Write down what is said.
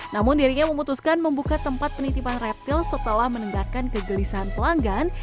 namun dirinya memutuskan membuka tempat penitipan reptil setelah menenggarkan kegelisahan pelanggan